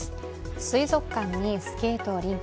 水族館にスケートリンク。